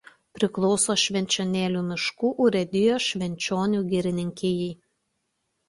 Priklauso Švenčionėlių miškų urėdijos Švenčionių girininkijai.